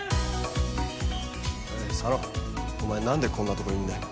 おい佐野お前何でこんなとこいんだよ？